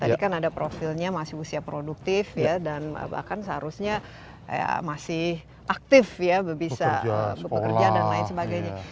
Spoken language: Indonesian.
tadi kan ada profilnya masih usia produktif ya dan bahkan seharusnya masih aktif ya bisa bekerja dan lain sebagainya